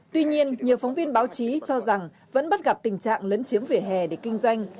tuy nhiên nhiều phóng viên báo chí cho rằng vẫn bắt gặp tình trạng lấn chiếm vỉa hè để kinh doanh